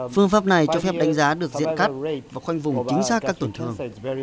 phương pháp này cho phép đánh giá được diện cắt và khoanh vùng chính xác các tổn thương